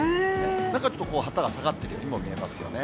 なんかちょっと、旗が下がっているようにも見えますよね。